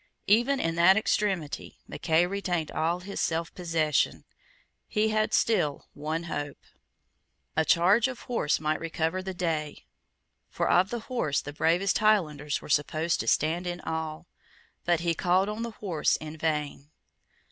Even in that extremity Mackay retained all his selfpossession. He had still one hope. A charge of horse might recover the day; for of horse the bravest Highlanders were supposed to stand in awe. But he called on the horse in vain.